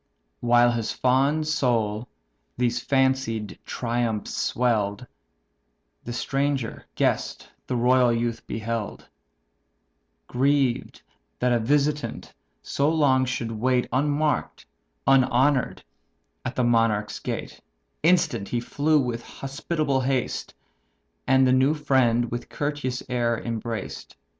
While his fond soul these fancied triumphs swell'd, The stranger guest the royal youth beheld; Grieved that a visitant so long should wait Unmark'd, unhonour'd, at a monarch's gate; Instant he flew with hospitable haste, And the new friend with courteous air embraced.